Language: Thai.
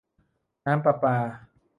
น้ำประปา